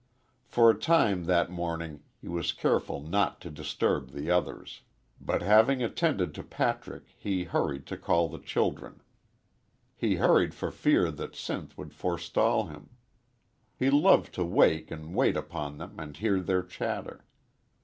For a time that morning he was careful not to disturb the others. But having attended to Patrick, he hurried to call the children. He hurried for fear that Sinth would forestall him. He loved to wake and wait upon them and hear their chatter.